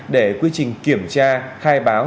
để quy trình kiểm tra khai báo